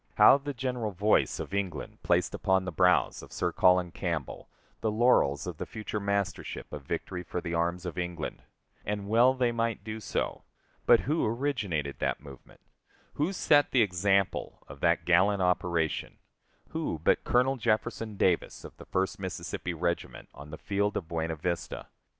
How the general voice of England placed upon the brows of Sir Colin Campbell the laurels of the future mastership of victory for the arms of England! And well they might do so. But who originated that movement; who set the example of that gallant operation who but Colonel Jefferson Davis, of the First Mississippi Regiment, on the field of Buena Vista?